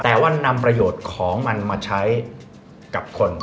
แต่ว่านำประโยชน์ของมันมาใช้กับคน